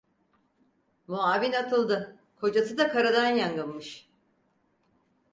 Muavin atıldı: "Kocası da karıdan yangınmış…"